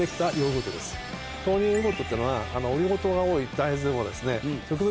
豆乳ヨーグルトっていうのはオリゴ糖が多い大豆を植物